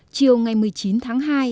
chiều một mươi chín tháng hai